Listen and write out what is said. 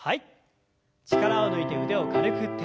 力を抜いて腕を軽く振って。